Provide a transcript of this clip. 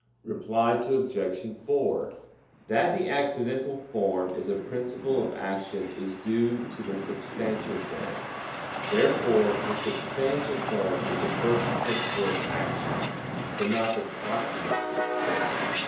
Reply Obj. 4: That the accidental form is a principle of action is due to the substantial form. Therefore the substantial form is the first principle of action; but not the proximate principle.